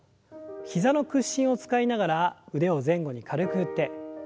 膝の屈伸を使いながら腕を前後に軽く振って。